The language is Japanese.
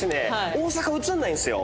大阪映らないんですよ。